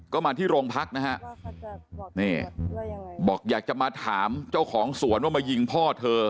ก็มาที่โรงพักนะฮะนี่บอกอยากจะมาถามเจ้าของสวนว่ามายิงพ่อเธอ